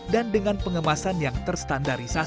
dan dengan pengemasan yang terstandarisasi